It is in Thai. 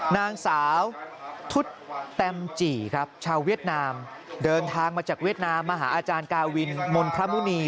นางสาวทุศแตมจี่ครับชาวเวียดนามเดินทางมาจากเวียดนามมาหาอาจารย์กาวินมลพระมุณี